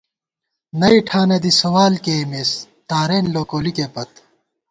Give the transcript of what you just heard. نئ ٹھاناں دی سوال کېئیمېس تارېن لوکولِکے پت